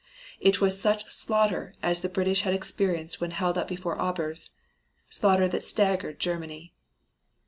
It was such slaughter as the British had experienced when held up before Aubers. Slaughter that staggered Germany.